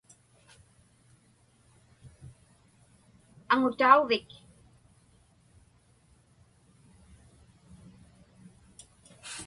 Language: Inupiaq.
Aŋutauvik?